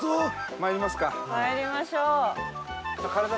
まいりましょう。